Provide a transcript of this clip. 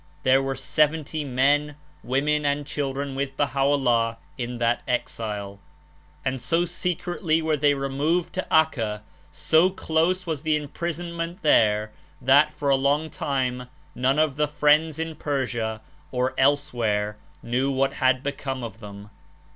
There were seventy men, women and children with Baha^o^llah in that exile, and so secretly were they removed to Acca, so close was the imprisonment there that, for a long time, none of the "friends" in Persia or elsewhere knew^ what had become of them.